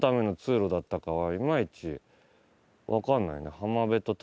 いまいち分かんないね。